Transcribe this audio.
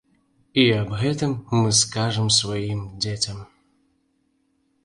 І аб гэтым мы скажам сваім дзецям.